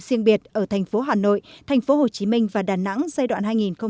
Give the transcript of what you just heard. riêng biệt ở tp hcm tp hcm và đà nẵng giai đoạn hai nghìn hai mươi một hai nghìn hai mươi năm